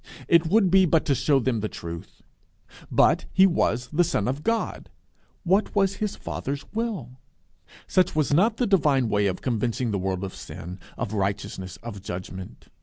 It would be but to shew them the truth. But he was the Son of God: what was his Father's will? Such was not the divine way of convincing the world of sin, of righteousness, of judgment.